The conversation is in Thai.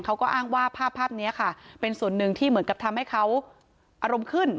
เขาก็อ้างว่าภาพภาพนี้ค่ะเป็นส่วนหนึ่งที่เหมือนกับทำให้เขาอารมณ์ขึ้น